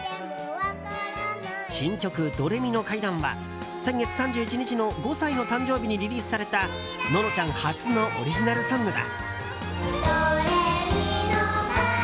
新曲「ドレミのかいだん」は先月３１日の５歳の誕生日にリリースされたののちゃん初のオリジナルソングだ。